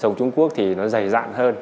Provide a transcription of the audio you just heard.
rồng trung quốc thì nó dày dạn hơn